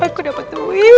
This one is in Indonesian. aku dapat duit